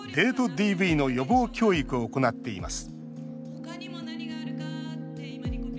ＤＶの予防教育を行っています